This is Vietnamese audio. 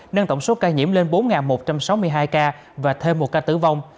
nâng tổng số ca nhiễm lên bốn một trăm sáu mươi hai ca và thêm một ca tử vong